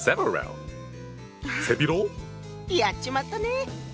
やっちまったね！